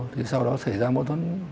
thì sau đó xảy ra mối thuẫn